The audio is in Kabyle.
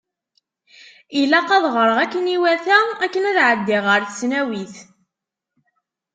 Ilaq ad ɣreɣ akken iwata akken ad ɛeddiɣ ɣer tesnawit.